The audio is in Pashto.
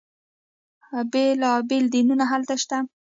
بیلا بیل دینونه هلته شته.